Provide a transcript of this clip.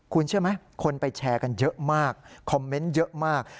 คุณเชื่อไหมคนไปแชร์กันเยอะมากคอมเมนต์เยอะมาก